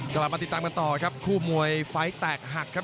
กลับมาติดตามกันต่อครับคู่มวยไฟล์แตกหักครับ